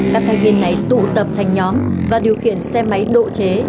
các thành viên này tụ tập thành nhóm và điều khiển xe máy độ chế